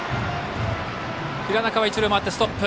平中は一塁でストップ。